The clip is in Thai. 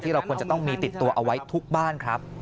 เราควรจะต้องมีติดตัวเอาไว้ทุกบ้านครับ